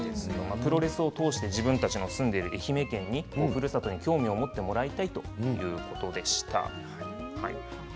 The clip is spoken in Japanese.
プロレスを通して自分が住んでいる愛媛県に興味を持ってほしいということでした。